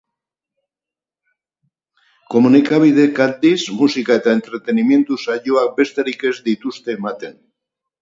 Komunikabideek, aldiz, musika eta entretenimendu saioak besterik ez dituzte ematen.